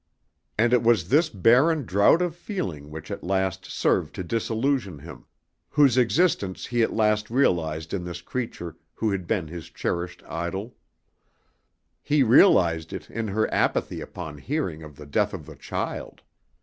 And it was this barren drought of feeling which at last served to disillusion him, whose existence he at last realized in this creature who had been his cherished idol. He realized it in her apathy upon hearing of the death of the child.